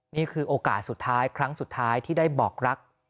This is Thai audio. นี่คือโอกาสสุดท้ายครั้งสุดท้ายที่ได้บอกรัก